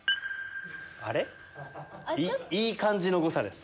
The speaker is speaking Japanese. あれ⁉いい感じの誤差です。